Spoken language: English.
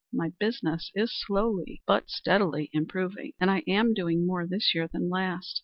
My business is slowly, but steadily, improving, and I am doing more this year than last.